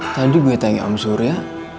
tadi gue tanya om surya